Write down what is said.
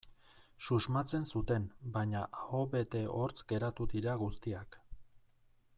Susmatzen zuten, baina aho bete hortz geratu dira guztiak.